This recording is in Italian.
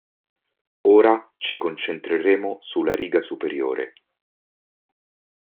Ora ci concetreremo sulla riga superiore.